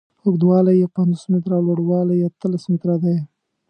اوږدوالی یې پنځوس متره او لوړوالی یې اتلس متره دی.